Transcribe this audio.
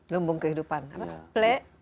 lumbung kehidupan apa pley